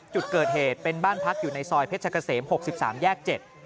จุดเกิดเหตุเป็นบ้านพักอยู่ในซอยเพชรเกษม๖๓แยก๗